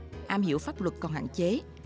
nhưng am hiểu pháp luật còn hạn chế